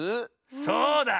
そうだ！